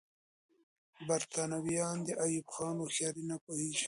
برتانويان د ایوب خان هوښیاري نه پوهېږي.